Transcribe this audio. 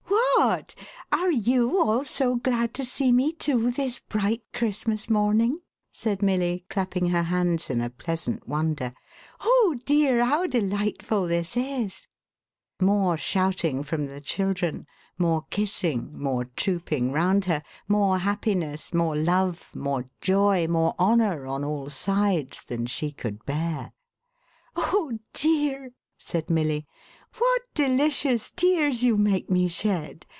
"Whatl are you all so glad to see me, too, this bright. Christmas morning?'1 said Milly, clapping her hands in a pleasant wonder. "Oh dear, how delightful this is!" More shouting from the children, more kissing, more trooping round her, more happiness, more Jove, more joy, more honour, on all sides, than she could bear. "Oh dear!" said Milly, "what delicious tears you mak< me shed.